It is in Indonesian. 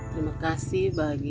terima kasih bagi